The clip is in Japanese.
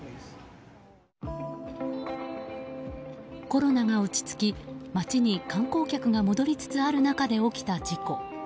コロナが落ち着き街に観光客が戻りつつある中で起きた事故。